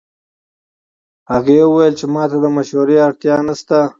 هغې وویل چې ما ته د مشورې اړتیا نه شته